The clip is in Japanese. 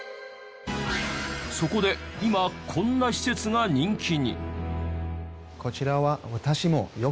そこで今こんな施設が人気に。